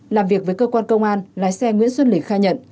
làm việc với cơ quan công an lái xe nguyễn xuân lịch khai nhận